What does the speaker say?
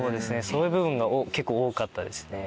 そういう部分が結構多かったですね。